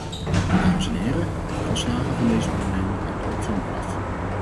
Dames en heren, het welslagen van deze onderneming hangt ook van u af.